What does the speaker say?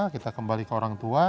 kita kembali ke orang tua